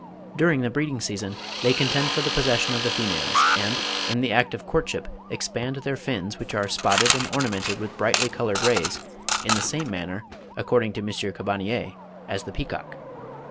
During the breeding season they contend for the possession of the females; and, in the act of courtship, expand their fins, which are spotted and ornamented with brightly coloured rays, in the same manner, according to M. Carbonnier, as the peacock.